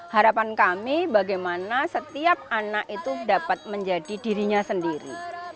harapan kami bagaimana setiap anak itu dapat menjadi dirinya sendiri